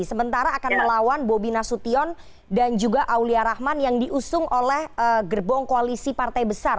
sementara akan melawan bobi nasution dan juga aulia rahman yang diusung oleh gerbong koalisi partai besar